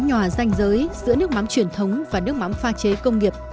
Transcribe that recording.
các nhà sản xuất nước mắm truyền thống và nước mắm pha chế công nghiệp